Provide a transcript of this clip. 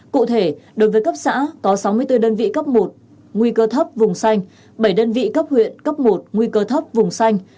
cụ thể đối với cấp xã có sáu mươi bốn đơn vị cấp một nguy cơ thấp vùng xanh bảy đơn vị cấp huyện cấp một nguy cơ thấp vùng xanh